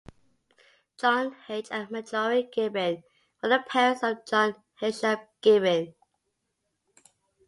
John H. and Marjorie Gibbon were the parents of John Heysham Gibbon.